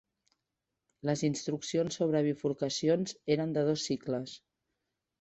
Les instruccions sobre bifurcacions eren de dos cicles.